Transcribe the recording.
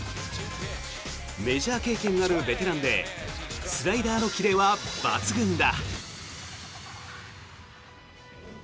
メジャー経験のあるベテランでスライダーのキレは抜群だ。